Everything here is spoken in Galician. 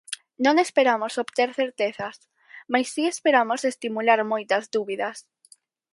Non esperamos obter certezas, mais si esperamos estimular moitas dúbidas.